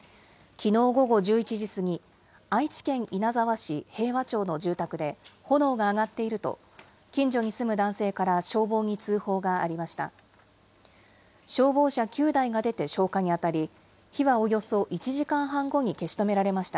きのう午後１１時過ぎ、愛知県稲沢市平和町の住宅で、炎が上がっていると、近所に住む男性から消防に通報がありました。